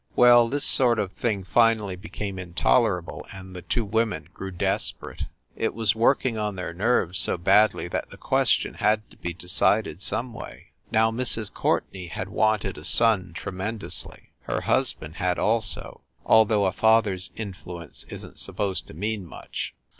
Well, this sort of thing finally became intolerable and the two women grew desperate. It was work ing on their nerves so badly that the question had to be decided some way. Now Mrs. Courtenay had wanted a son tremendously; her husband had, also, although a father s influence isn t supposed to mean much.